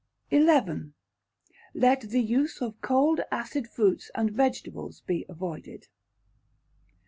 xi. Let the Use of Cold Acid Fruits and vegetables be avoided.